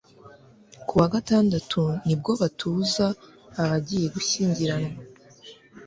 ku wa Gatandatu nibwo yatuza abagiye gushyingiranwa